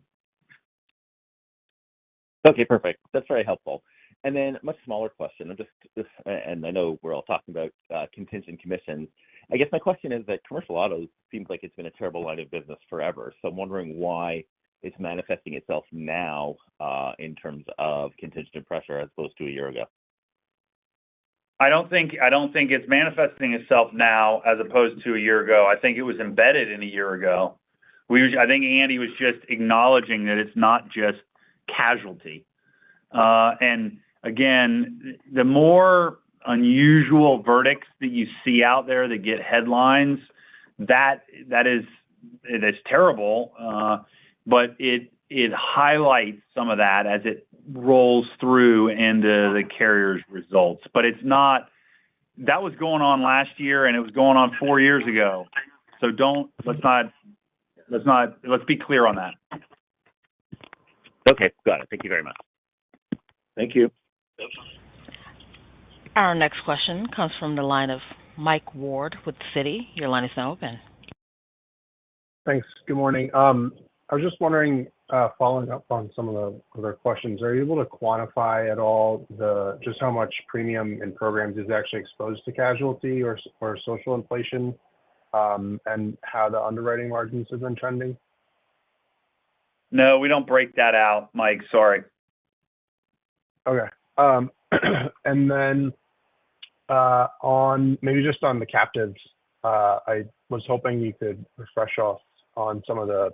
Okay, perfect. That's very helpful. And then, much smaller question. I'm just... And I know we're all talking about contingent commissions. I guess my question is that commercial auto seems like it's been a terrible line of business forever, so I'm wondering why it's manifesting itself now in terms of contingent pressure as opposed to a year ago? I don't think, I don't think it's manifesting itself now, as opposed to a year ago. I think it was embedded in a year ago. I think Andy was just acknowledging that it's not just casualty. And again, the more unusual verdicts that you see out there that get headlines, that, that is, it is terrible, but it, it highlights some of that as it rolls through into the carrier's results. But it's not... That was going on last year, and it was going on four years ago, so let's not, let's not... Let's be clear on that. Okay, got it. Thank you very much. Thank you. Our next question comes from the line of Mike Ward with Citi. Your line is now open. Thanks. Good morning. I was just wondering, following up on some of the other questions, are you able to quantify at all just how much premium and programs is actually exposed to casualty or social inflation, and how the underwriting margins have been trending? No, we don't break that out, Mike. Sorry. Okay. And then, maybe just on the captives, I was hoping you could refresh us on some of the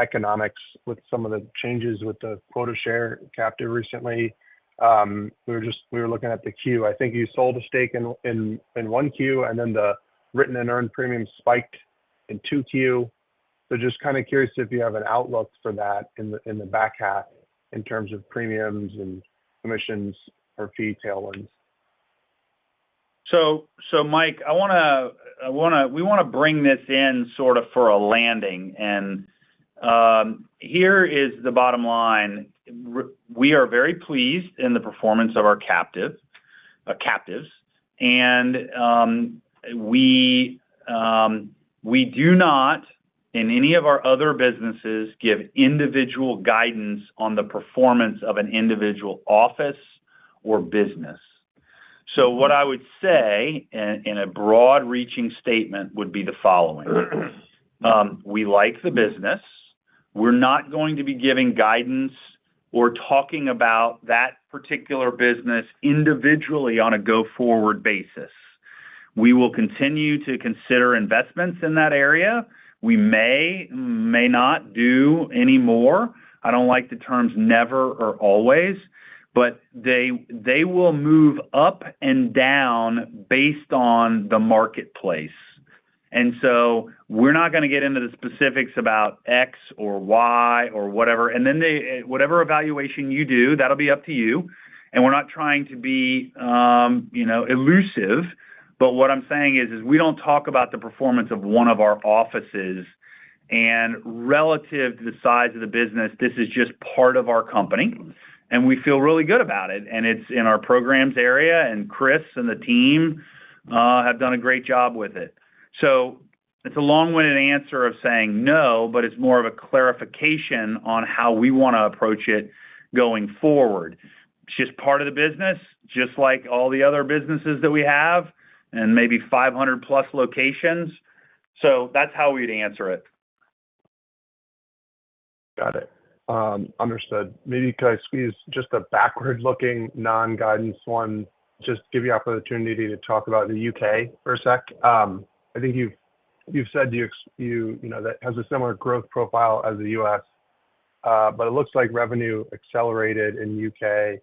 economics with some of the changes with the quota share captive recently. We were looking at the Q. I think you sold a stake in 1Q, and then the written and earned premium spiked in 2Q. So just kind of curious if you have an outlook for that in the back half in terms of premiums and commissions or fee tailwinds. So, Mike, we wanna bring this in sort of for a landing, and here is the bottom line. We are very pleased in the performance of our captive, captives and we do not, in any of our other businesses, give individual guidance on the performance of an individual office or business. So what I would say, in a broad reaching statement, would be the following: We like the business. We're not going to be giving guidance or talking about that particular business individually on a go-forward basis.... We will continue to consider investments in that area. We may not do any more. I don't like the terms never or always, but they will move up and down based on the marketplace. And so we're not gonna get into the specifics about X or Y or whatever. And then they, whatever evaluation you do, that'll be up to you. And we're not trying to be, you know, elusive, but what I'm saying is, is we don't talk about the performance of one of our offices, and relative to the size of the business, this is just part of our company, and we feel really good about it, and it's in our programs area, and Chris and the team have done a great job with it. So it's a long-winded answer of saying no, but it's more of a clarification on how we wanna approach it going forward. It's just part of the business, just like all the other businesses that we have, and maybe 500+ locations. So that's how we'd answer it. Got it. Understood. Maybe could I squeeze just a backward-looking, non-guidance one, just to give you an opportunity to talk about the U.K for a sec? I think you've said you know that it has a similar growth profile as the U.S, but it looks like revenue accelerated in U.K.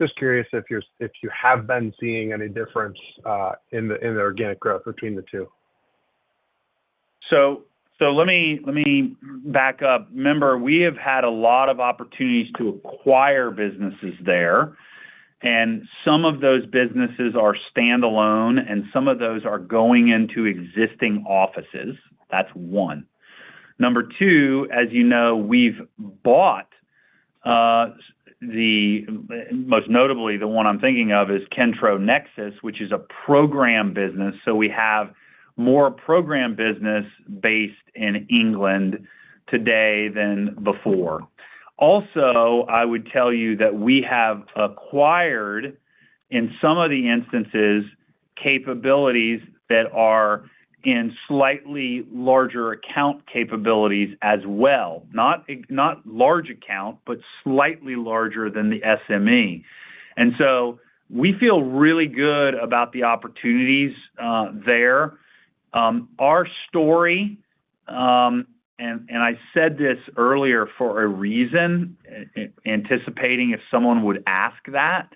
Just curious if you have been seeing any difference in the organic growth between the two. So, so let me, let me back up. Remember, we have had a lot of opportunities to acquire businesses there, and some of those businesses are standalone, and some of those are going into existing offices. That's one. Number two, as you know, we've bought. Most notably, the one I'm thinking of is Kentro Nexus, which is a program business, so we have more program business based in England today than before. Also, I would tell you that we have acquired, in some of the instances, capabilities that are in slightly larger account capabilities as well. Not large account, but slightly larger than the SME. And so we feel really good about the opportunities there. Our story, I said this earlier for a reason, anticipating if someone would ask that,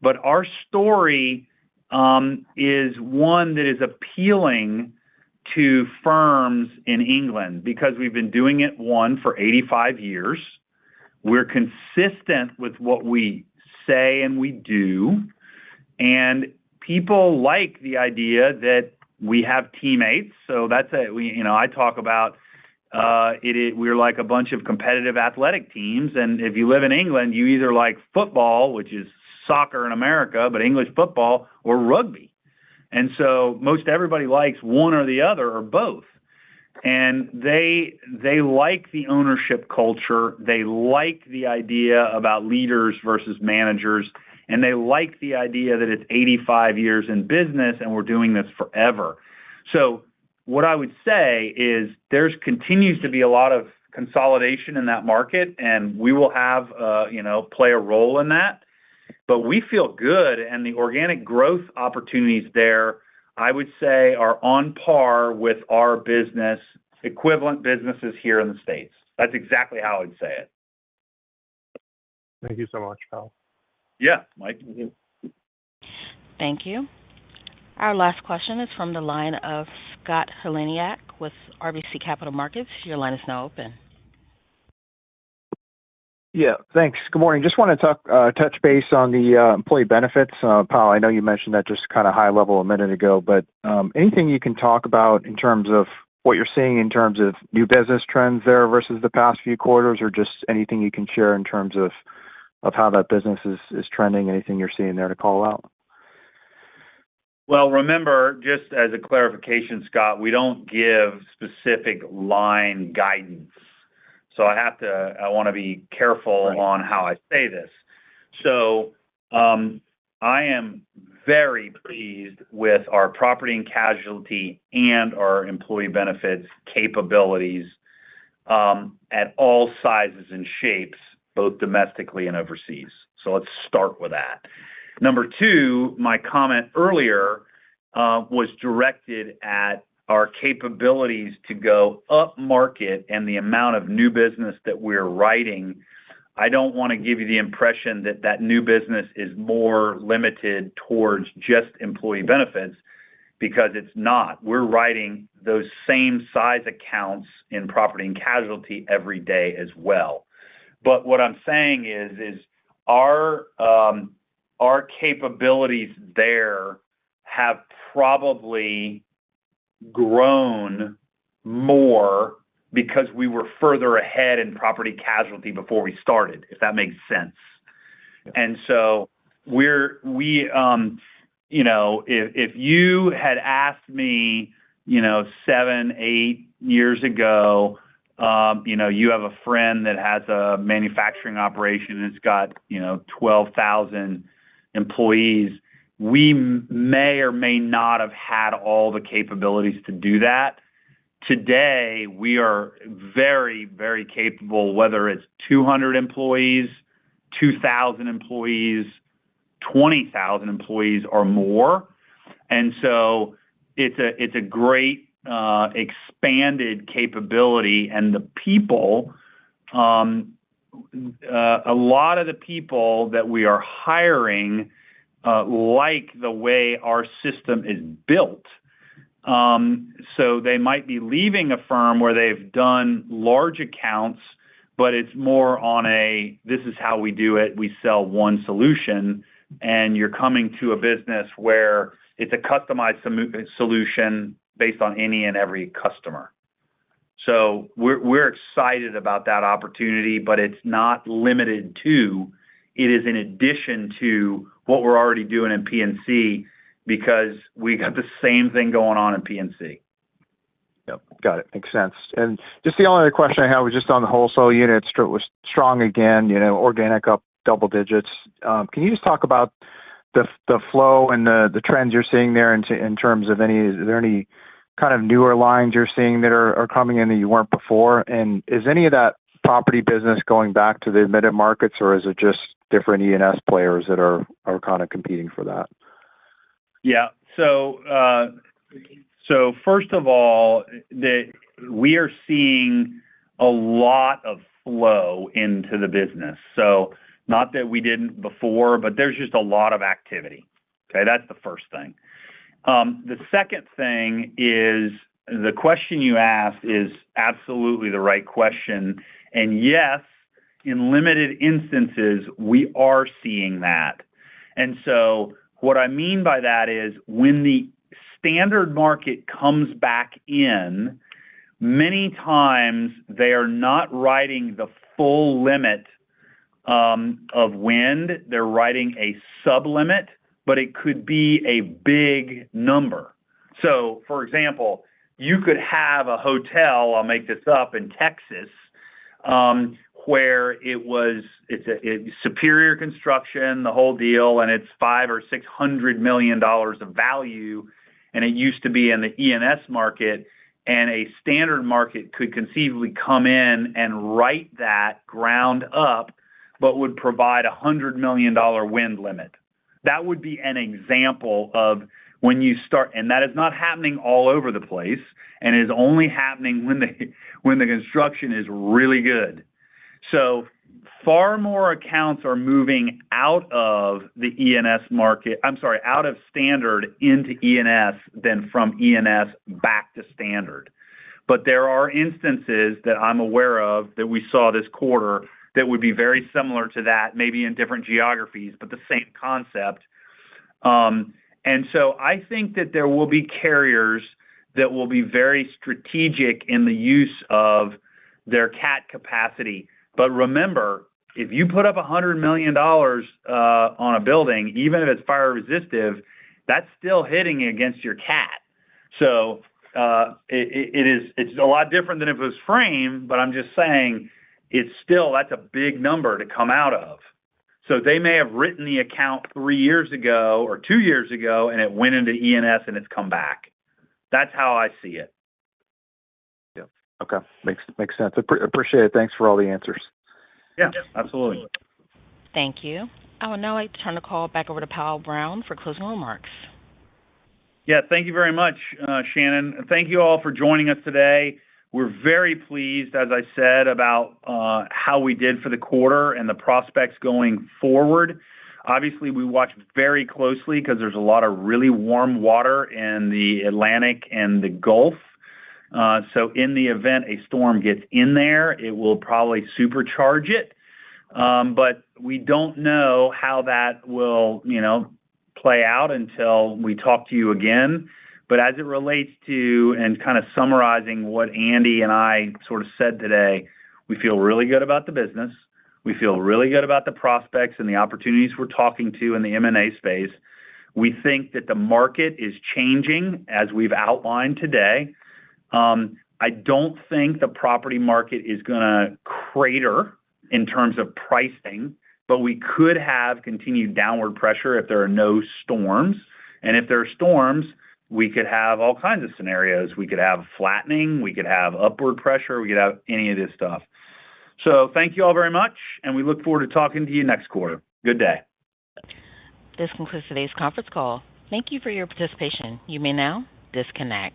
but our story is one that is appealing to firms in England because we've been doing it, one, for 85 years, we're consistent with what we say and we do, and people like the idea that we have teammates, so that's a, we, you know, I talk about, we're like a bunch of competitive athletic teams, and if you live in England, you either like football, which is soccer in America, but English football, or rugby. And so most everybody likes one or the other or both. And they, they like the ownership culture, they like the idea about leaders versus managers, and they like the idea that it's 85 years in business, and we're doing this forever. So what I would say is there's continued to be a lot of consolidation in that market, and we will have a, you know, play a role in that. But we feel good, and the organic growth opportunities there, I would say, are on par with our business, equivalent businesses here in the States. That's exactly how I'd say it. Thank you so much, Powell. Yeah, Mike. Thank you. Our last question is from the line of Scott Heleniak with RBC Capital Markets. Your line is now open. Yeah, thanks. Good morning. Just wanna talk, touch base on the employee benefits. Paul, I know you mentioned that just kind of high level a minute ago, but anything you can talk about in terms of what you're seeing in terms of new business trends there versus the past few quarters, or just anything you can share in terms of how that business is trending, anything you're seeing there to call out? Well, remember, just as a clarification, Scott, we don't give specific line guidance, so I have to—I wanna be careful- Right... on how I say this. So, I am very pleased with our property and casualty and our employee benefits capabilities, at all sizes and shapes, both domestically and overseas. So let's start with that. Number 2, my comment earlier, was directed at our capabilities to go upmarket and the amount of new business that we're writing. I don't wanna give you the impression that that new business is more limited towards just employee benefits, because it's not. We're writing those same size accounts in property and casualty every day as well. But what I'm saying is our capabilities there have probably grown more because we were further ahead in property casualty before we started, if that makes sense. Yeah. And so we're you know, if you had asked me you know 7, 8 years ago you know, you have a friend that has a manufacturing operation, and it's got you know 12,000 employees, we may or may not have had all the capabilities to do that. Today, we are very, very capable, whether it's 200 employees, 2,000 employees, 20,000 employees or more. And so it's a great expanded capability. And the people, a lot of the people that we are hiring like the way our system is built. So they might be leaving a firm where they've done large accounts, but it's more on a, "This is how we do it. We sell one solution," and you're coming to a business where it's a customized solution based on any and every customer. So we're excited about that opportunity, but it's not limited to... It is in addition to what we're already doing in PNC, because we've got the same thing going on in PNC. Yep, got it. Makes sense. And just the only other question I had was just on the wholesale unit. It was strong again, you know, organic up double digits. Can you just talk about the flow and the trends you're seeing there in terms of any is there any kind of newer lines you're seeing that are coming in that you weren't before? And is any of that property business going back to the admitted markets, or is it just different E&S players that are kind of competing for that? Yeah. So, so first of all, we are seeing a lot of flow into the business, so not that we didn't before, but there's just a lot of activity, okay? That's the first thing. The second thing is, the question you asked is absolutely the right question, and yes, in limited instances, we are seeing that. And so what I mean by that is, when the standard market comes back in, many times they are not writing the full limit of wind. They're writing a sub-limit, but it could be a big number. So for example, you could have a hotel, I'll make this up, in Texas, where it was... It's superior construction, the whole deal, and it's $500 million-$600 million of value, and it used to be in the E&S market, and a standard market could conceivably come in and write that ground up, but would provide a $100 million wind limit. That would be an example of when you start. And that is not happening all over the place, and it is only happening when the construction is really good. So far more accounts are moving out of the E&S market. I'm sorry, out of standard into E&S than from E&S back to standard. But there are instances that I'm aware of, that we saw this quarter, that would be very similar to that, maybe in different geographies, but the same concept. and so I think that there will be carriers that will be very strategic in the use of their cat capacity. But remember, if you put up $100 million on a building, even if it's fire resistive, that's still hitting against your cat. So, it is, it's a lot different than if it was framed, but I'm just saying, it's still, that's a big number to come out of. So they may have written the account three years ago or two years ago, and it went into E&S, and it's come back. That's how I see it. Yeah. Okay. Makes sense. I appreciate it. Thanks for all the answers. Yeah, absolutely. Thank you. I will now like to turn the call back over to Powell Brown for closing remarks. Yeah, thank you very much, Shannon. Thank you all for joining us today. We're very pleased, as I said, about how we did for the quarter and the prospects going forward. Obviously, we watch very closely, 'cause there's a lot of really warm water in the Atlantic and the Gulf. So in the event a storm gets in there, it will probably supercharge it. But we don't know how that will, you know, play out until we talk to you again. But as it relates to, and kind of summarizing what Andy and I sort of said today, we feel really good about the business. We feel really good about the prospects and the opportunities we're talking to in the M&A space. We think that the market is changing, as we've outlined today. I don't think the property market is gonna crater in terms of pricing, but we could have continued downward pressure if there are no storms. If there are storms, we could have all kinds of scenarios. We could have flattening, we could have upward pressure, we could have any of this stuff. Thank you all very much, and we look forward to talking to you next quarter. Good day. This concludes today's conference call. Thank you for your participation. You may now disconnect.